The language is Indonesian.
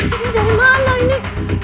ini dari mana ini